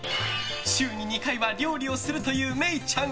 週に２回は料理をするという愛以ちゃん。